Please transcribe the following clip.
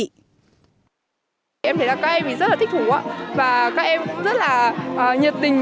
em thấy là các em mình rất là thích thú và các em cũng rất là nhiệt tình